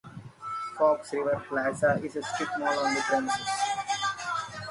Fox River Plaza is a strip mall on the premises.